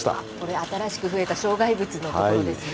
新しく増えた障害物の所ですね。